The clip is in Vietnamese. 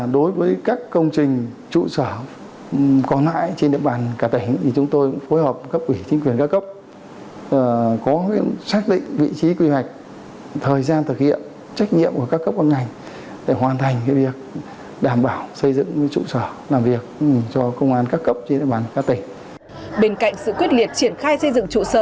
đối với các công trình trụ sở còn lại trên địa bàn cả tỉnh chúng tôi phối hợp các quỷ chính quyền các cấp có xác định vị trí quy hoạch thời gian thực hiện trách nhiệm của các cấp quân ngành để hoàn thành việc đảm bảo xây dựng trụ sở làm việc